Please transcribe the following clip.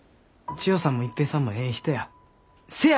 千代さんも一平さんもええ人や。